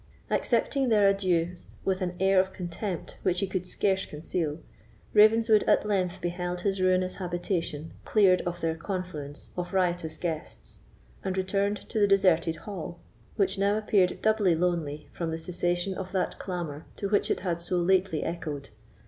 Accepting their adieus with an air of contempt which he could scarce conceal, Ravenswood at length beheld his ruinous habitation cleared of this confluence of riotous guests, and returned to the deserted hall, which now appeared doubly lonely from the cessation of that clamour to which it had so lately echoed.